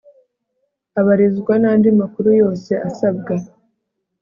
abarizwa n andi makuru yose asabwa